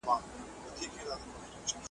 سندرې د تال او ژورتیا له لارې ستونزې کموي.